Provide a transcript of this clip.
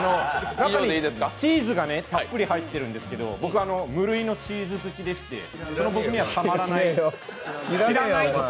中にチーズがいっぱい入ってるんですけど僕は無類のチーズ好きでその僕にはたまらない。